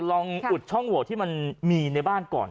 อุดช่องโหวตที่มันมีในบ้านก่อน